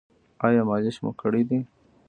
ایا مالش مو کړی دی؟